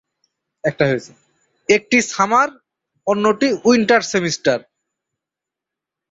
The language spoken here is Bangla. একটি সামার, অন্যটি উইন্টার সেমিস্টার।